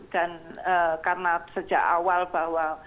dan karena sejak awal bahwa